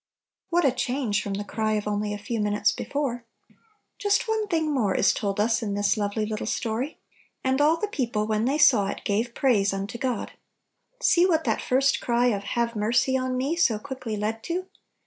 What a change from the cry of only a few minutes be fore ! Just one thing more is told us in this 46 Little Pillows. lovely little story, "And all the people, when they saw it, gave praise unto God." 8ee what that first cry of "Have mercy on me," so quickly led to